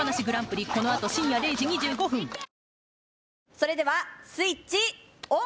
それではスイッチオン！